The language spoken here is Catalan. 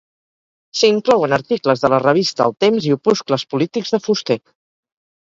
S'hi inclouen articles de la revista El Temps i opuscles polítics de Fuster.